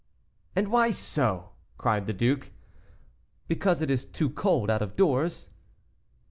"And why so?" cried the duke. "Because it is too cold out of doors."